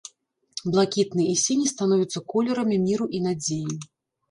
Блакітны і сіні становяцца колерамі міру і надзеі.